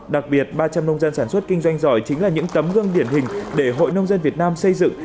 đặc biệt ba trăm linh nông dân sản xuất kinh doanh giỏi chính là những tấm gương điển hình để hội nông dân việt nam xây dựng